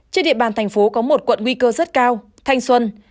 trên địa bàn thành phố có một quận nguy cơ rất cao thanh xuân